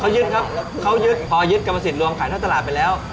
เขายึดครับเขายึดพอยึดกรรมสิทธิลวงขายหน้าตลาดไปแล้ว